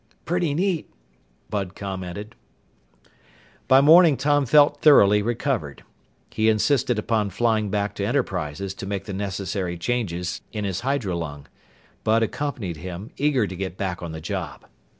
"Pretty neat," Bud commented. By morning Tom felt thoroughly recovered. He insisted upon flying back to Enterprises to make the necessary changes in his hydrolung. Bud accompanied him, eager to get back on the job.